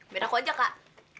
biar aku ajak kak